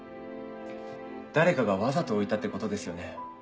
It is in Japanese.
誰かがわざと置いたってことですよね？